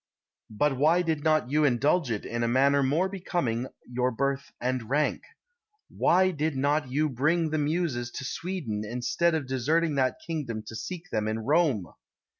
But why did not you indulge it in a manner more becoming your birth and rank? Why did not you bring the muses to Sweden, instead of deserting that kingdom to seek them in Rome?